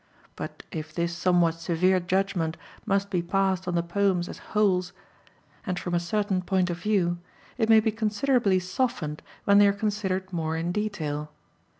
But if this somewhat severe judgment must be passed on the poems as wholes, and from a certain point of view, it may be considerably softened when they are considered more in detail.